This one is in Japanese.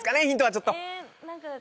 ヒントはちょっとえー